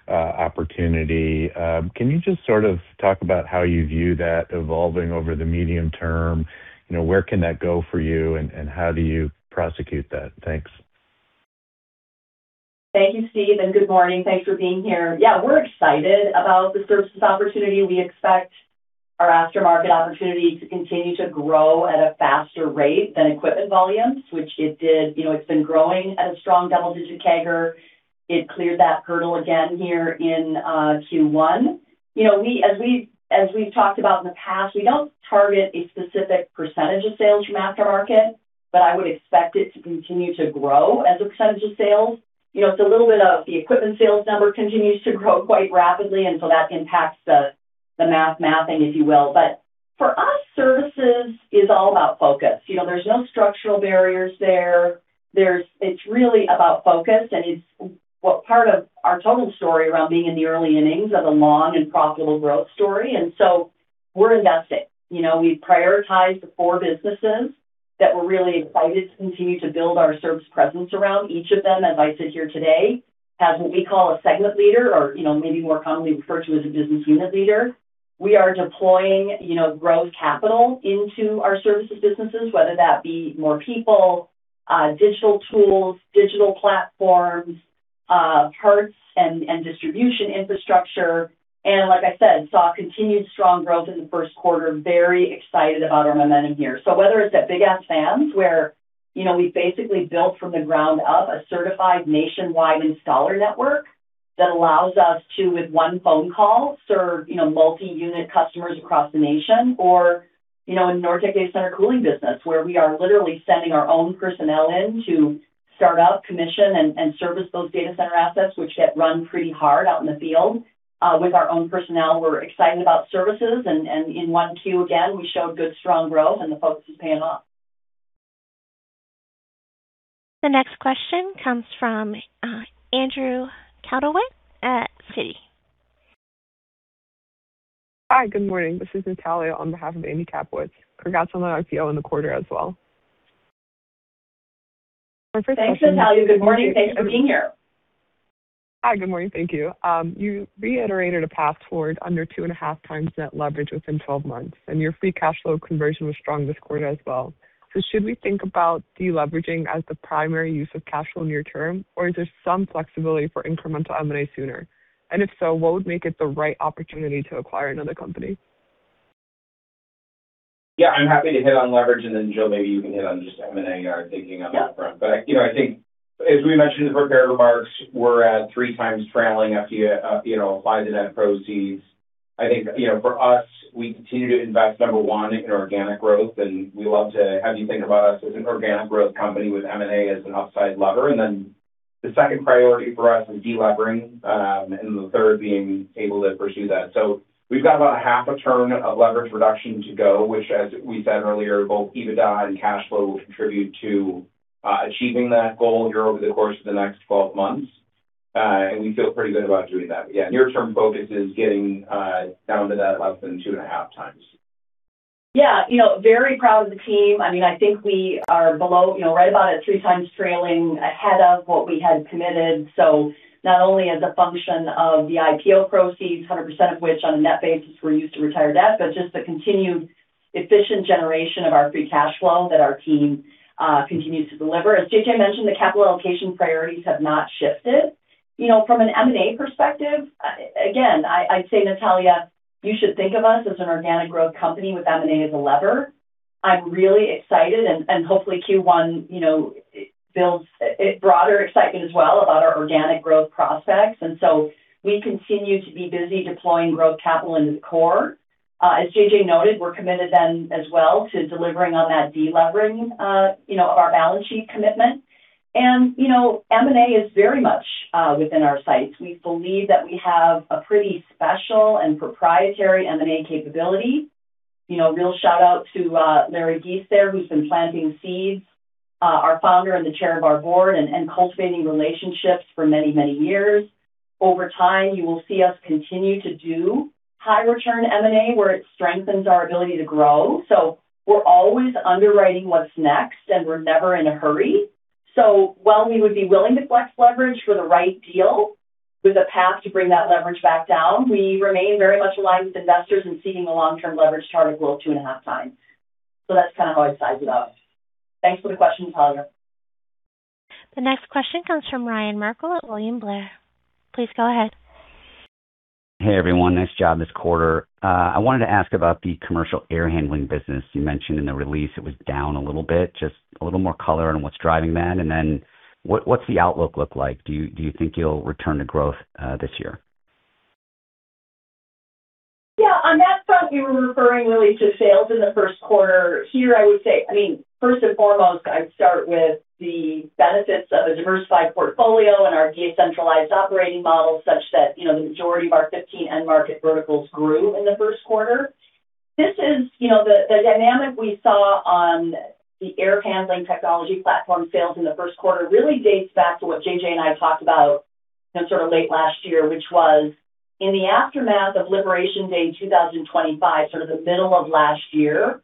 opportunity. Can you just sort of talk about how you view that evolving over the medium term? You know, where can that go for you, and how do you prosecute that? Thanks. Thank you, Steve. Good morning. Thanks for being here. Yeah, we're excited about the services opportunity. We expect our aftermarket opportunity to continue to grow at a faster rate than equipment volumes, which it did. You know, it's been growing at a strong double-digit CAGR. It cleared that hurdle again here in Q1. You know, as we've talked about in the past, we don't target a specific percentage of sales from aftermarket. I would expect it to continue to grow as a percentage of sales. You know, it's a little bit of the equipment sales number continues to grow quite rapidly, so that impacts the math mapping, if you will. For us, services is all about focus. You know, there's no structural barriers there. There's it's really about focus, and it's well, part of our total story around being in the early innings of a long and profitable growth story. We're investing. You know, we've prioritized the four businesses that we're really excited to continue to build our service presence around each of them. As I sit here today, as what we call a segment leader or, you know, maybe more commonly referred to as a business unit leader, we are deploying, you know, growth capital into our services businesses, whether that be more people, digital tools, digital platforms, parts and distribution infrastructure. Like I said, saw continued strong growth in the first quarter. Very excited about our momentum here. Whether it's at Big Ass Fans where, you know, we've basically built from the ground up a certified nationwide installer network that allows us to, with one phone call, serve, you know, multi-unit customers across the nation or, you know, in our data center cooling business, where we are literally sending our own personnel in to start up, commission, and service those data center assets which get run pretty hard out in the field with our own personnel. We're excited about services and in 1Q again, we showed good strong growth and the focus is paying off. The next question comes from Andrew Kaplowitz at Citi. Hi. Good morning. This is Natalia on behalf of Andrew Kaplowitz. Congrats on the IPO in the quarter as well. Thanks, Natalia. Good morning. Thanks for being here. Hi, good morning. Thank you. You reiterated a path toward under 2.5x net leverage within 12 months, and your free cash flow conversion was strong this quarter as well. Should we think about deleveraging as the primary use of cash flow near term, or is there some flexibility for incremental M&A sooner? If so, what would make it the right opportunity to acquire another company? Yeah, I'm happy to hit on leverage, and then Jill, maybe you can hit on just M&A, our thinking on that front. I think as we mentioned in the prepared remarks, we're at 3x trailing after you apply the net proceeds. I think, for us, we continue to invest, number one, in organic growth, and we love to have you think about us as an organic growth company with M&A as an upside lever. The second priority for us is deleveraging, and the third being able to pursue that. We've got about a 0.5 turn of leverage reduction to go, which as we said earlier, both EBITDA and cash flow will contribute to achieving that goal here over the course of the next 12 months. We feel pretty good about doing that. Yeah, near term focus is getting down to that less than 2.5x. Yeah, you know, very proud of the team. I mean, I think we are below, you know, right about at 3x trailing ahead of what we had committed. Not only as a function of the IPO proceeds, 100% of which on a net basis were used to retire debt, but just the continued efficient generation of our free cash flow that our team continues to deliver. As JJ mentioned, the capital allocation priorities have not shifted. You know, from an M&A perspective, again, I'd say, Natalia, you should think of us as an organic growth company with M&A as a lever. I'm really excited and hopefully Q1, you know, builds broader excitement as well about our organic growth prospects. We continue to be busy deploying growth capital into the core. As JJ noted, we're committed as well to delivering on that delevering, you know, our balance sheet commitment. You know, M&A is very much within our sights. We believe that we have a pretty special and proprietary M&A capability. You know, real shout out to Larry Gies there, who's been planting seeds, our Founder and Chairman of the Board, and cultivating relationships for many, many years. Over time, you will see us continue to do high return M&A, where it strengthens our ability to grow. We're always underwriting what's next, and we're never in a hurry. While we would be willing to flex leverage for the right deal with a path to bring that leverage back down, we remain very much aligned with investors in seeing a long-term leverage target below 2.5x. That's kind of how I'd size it up. Thanks for the question, Natalia. The next question comes from Ryan Merkel at William Blair. Please go ahead. Hey, everyone. Nice job this quarter. I wanted to ask about the commercial air handling business. You mentioned in the release it was down a little bit. Just a little more color on what's driving that, and then what's the outlook look like? Do you think you'll return to growth this year? Yeah. On that front, you were referring really to sales in the first quarter. Here, I would say, I mean, first and foremost, I'd start with the benefits of a diversified portfolio and our decentralized operating model such that, you know, the majority of our 15 end market verticals grew in the first quarter. This is, you know, the dynamic we saw on the air handling technology platform sales in the first quarter really dates back to what JJ and I have talked about. Sort of late last year, which was in the aftermath of the general election of 2024, sort of the middle of last year,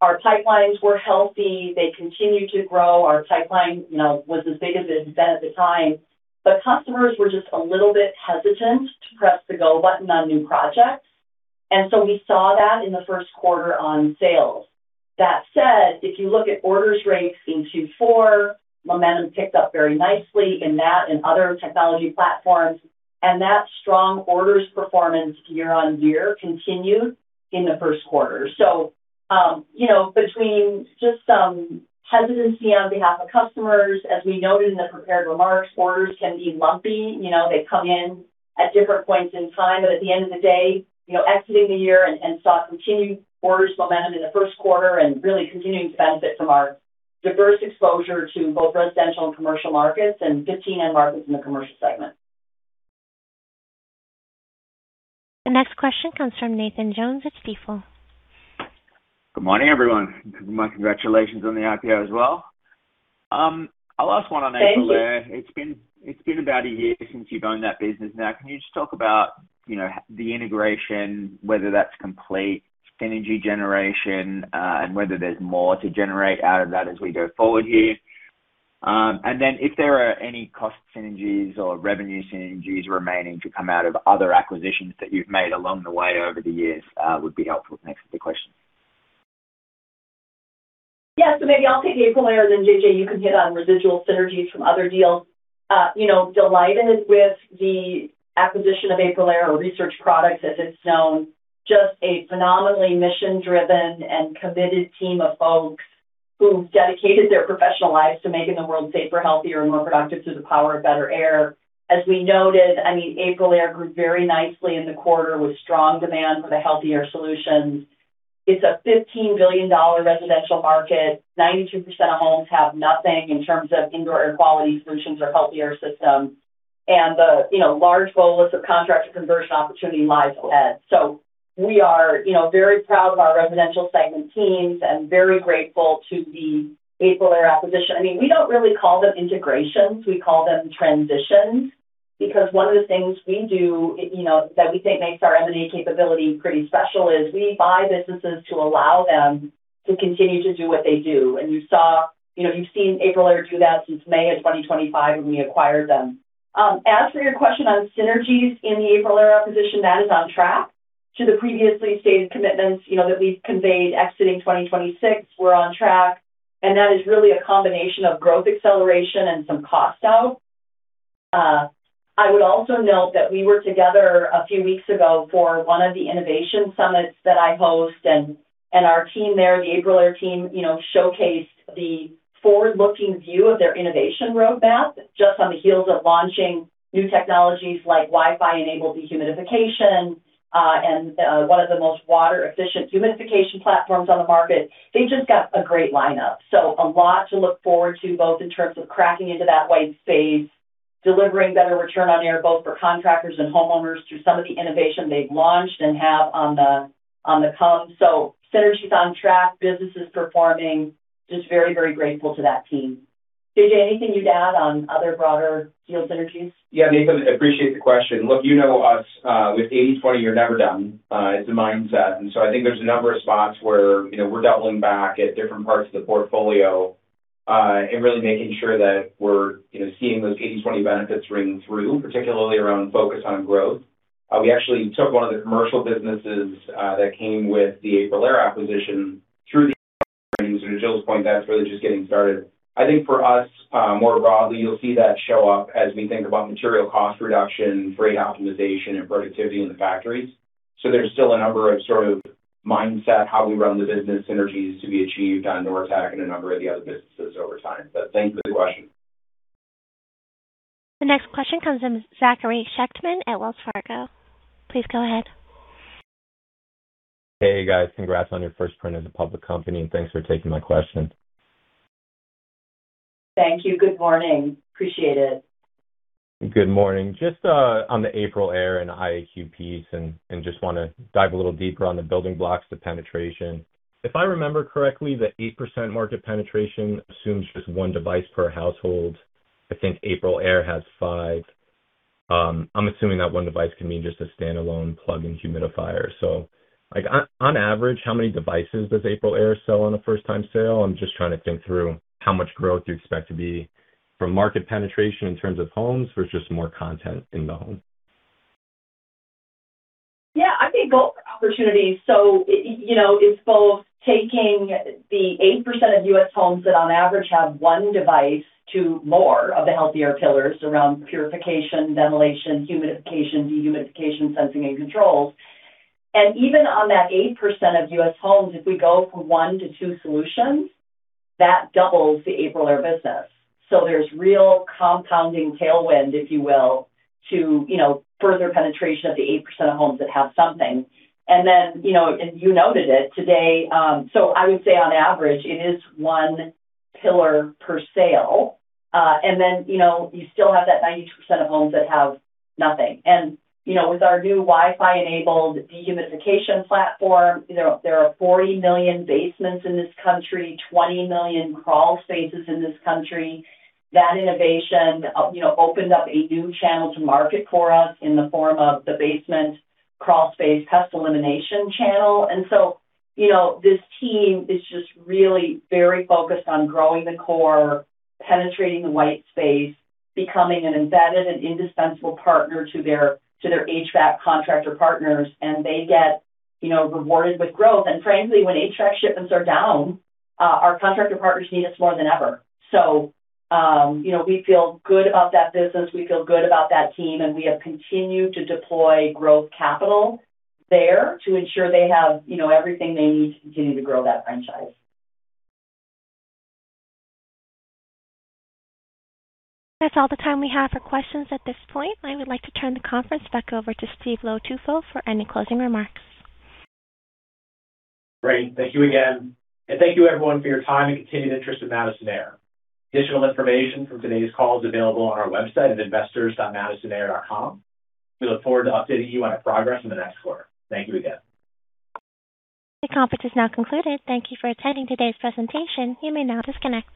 our pipelines were healthy. They continued to grow. Our pipeline, you know, was as big as it had been at the time, but customers were just a little bit hesitant to press the go button on new projects. We saw that in the first quarter on sales. That said, if you look at orders rates in Q4, momentum picked up very nicely in that and other technology platforms, and that strong orders performance year-over-year continued in the first quarter. You know, between just some hesitancy on behalf of customers, as we noted in the prepared remarks, orders can be lumpy. You know, they come in at different points in time, but at the end of the day, you know, exiting the year and saw continued orders momentum in the first quarter and really continuing to benefit from our diverse exposure to both residential and commercial markets and 15 end markets in the commercial segment. The next question comes from Nathan Jones at Stifel. Good morning, everyone. My congratulations on the IPO as well. I'll ask one on AprilAire. Thank you. It's been about a year since you've owned that business now. Can you just talk about, you know, the integration, whether that's complete synergy generation, and whether there's more to generate out of that as we go forward here? Then if there are any cost synergies or revenue synergies remaining to come out of other acquisitions that you've made along the way over the years, would be helpful. Thanks for the question. Maybe I'll take AprilAire, and then JJ, you can hit on residual synergies from other deals. You know, delighted with the acquisition of AprilAire or Research Products, as it's known. Just a phenomenally mission-driven and committed team of folks who've dedicated their professional lives to making the world safer, healthier and more productive through the power of better air. As we noted, I mean, AprilAire grew very nicely in the quarter with strong demand for the healthy air solutions. It's a $15 billion residential market. 92% of homes have nothing in terms of indoor air quality solutions or healthy air systems. The, you know, large bold list of contractor conversion opportunity lies ahead. We are, you know, very proud of our residential segment teams and very grateful to the AprilAire acquisition. I mean, we don't really call them integrations. We call them transitions, because one of the things we do, you know, that we think makes our M&A capability pretty special is we buy businesses to allow them to continue to do what they do. You know, you've seen AprilAire do that since May of 2025 when we acquired them. As for your question on synergies in the AprilAire acquisition, that is on track to the previously stated commitments, you know, that we've conveyed exiting 2026. We're on track. That is really a combination of growth acceleration and some cost out. I would also note that we were together a few weeks ago for one of the innovation summits that I host, and our team there, the AprilAire team, you know, showcased the forward-looking view of their innovation roadmap just on the heels of launching new technologies like Wi-Fi-enabled dehumidification, and one of the most water-efficient humidification platforms on the market. They've just got a great lineup. A lot to look forward to, both in terms of cracking into that white space, delivering better Return on Air, both for contractors and homeowners, through some of the innovation they've launched and have on the come. Synergies on track, business is performing. Just very, very grateful to that team. JJ, anything you'd add on other broader deal synergies? Yeah, Nathan, appreciate the question. Look, you know us. With 80/20, you're never done. It's a mindset. I think there's a number of spots where, you know, we're doubling back at different parts of the portfolio, and really making sure that we're, you know, seeing those 80/20 benefits ring through, particularly around focus on growth. We actually took one of the commercial businesses that came with the AprilAire acquisition, and to Jill's point, that's really just getting started. I think for us, more broadly, you'll see that show up as we think about material cost reduction, freight optimization and productivity in the factories. There's still a number of sort of mindset, how we run the business synergies to be achieved on Nortek and a number of the other businesses over time. Thanks for the question. The next question comes from Zachary Schechtman at Wells Fargo. Please go ahead. Hey, guys. Congrats on your first print as a public company. Thanks for taking my question. Thank you. Good morning. Appreciate it. Good morning. Just on the AprilAire and IAQ piece, and just want to dive a little deeper on the building blocks, the penetration. If I remember correctly, the 8% market penetration assumes just one device per household. I think AprilAire has five. I'm assuming that one device can mean just a standalone plug-in humidifier. Like, on average, how many devices does AprilAire sell on a first-time sale? I'm just trying to think through how much growth you expect to be from market penetration in terms of homes versus more content in the home. Yeah, I think both opportunities. You know, it's both taking the 8% of U.S. homes that on average have one device to more of the healthier pillars around purification, ventilation, humidification, dehumidification, sensing and controls. Even on that 8% of U.S. homes, if we go from one to two solutions, that doubles the AprilAire business. There's real compounding tailwind, if you will, to, you know, further penetration of the 8% of homes that have something. You know, you noted it today. I would say on average, it is one pillar per sale. You know, you still have that 92% of homes that have nothing. You know, with our new Wi-Fi-enabled dehumidification platform, you know, there are 40 million basements in this country, 20 million crawl spaces in this country. That innovation, you know, opened up a new channel to market for us in the form of the basement crawl space pest elimination channel. You know, this team is just really very focused on growing the core, penetrating the white space, becoming an embedded and indispensable partner to their, to their HVAC contractor partners, and they get, you know, rewarded with growth. Frankly, when HVAC shipments are down, our contractor partners need us more than ever. You know, we feel good about that business. We feel good about that team, and we have continued to deploy growth capital there to ensure they have, you know, everything they need to continue to grow that franchise. That's all the time we have for questions at this point. I would like to turn the conference back over to Steve Low-Tufo for any closing remarks. Great. Thank you again, and thank you everyone for your time and continued interest in Madison Air. Additional information from today's call is available on our website at investors.madisonair.com. We look forward to updating you on our progress in the next quarter. Thank you again. The conference is now concluded. Thank you for attending today's presentation. You may now disconnect.